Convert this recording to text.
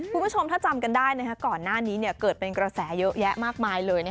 คุณผู้ชมถ้าจำกันได้ก่อนหน้านี้เกิดเป็นกระแสเยอะแยะมากมายเลย